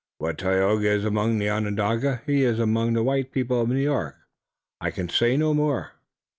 What Tayoga is among the Onondagas, he is among the white people of New York. I can say no more."